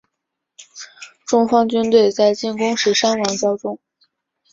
中方军队在进攻时伤亡较重。